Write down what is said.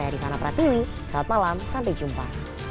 saya rifana pratili selamat malam sampai jumpa